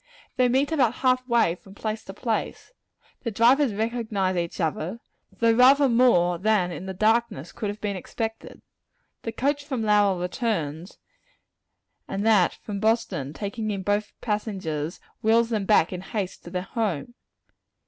They meet about half way from place to place, and the drivers recognize each other though rather more than, in the darkness, could have been expected. The coach from Lowell returns, and that from Boston, taking in both passengers, wheels them back in haste to their home.